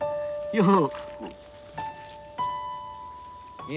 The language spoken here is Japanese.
よう。